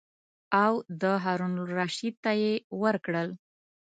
او د هارون الرشید ته یې ورکړل.